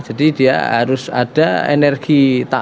jadi dia harus ada energi